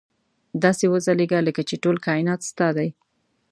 داسې وځلېږه لکه چې ټول کاینات ستا دي.